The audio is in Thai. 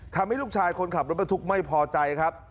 ทำให้ลูกชายคนขับรถบรรทุกไม่พอใจครับ